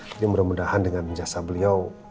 jadi mudah mudahan dengan jasa beliau